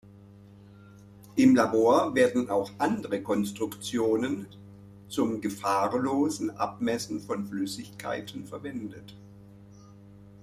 Im Labor werden auch andere Konstruktionen zum gefahrlosen Abmessen von Flüssigkeiten verwendet.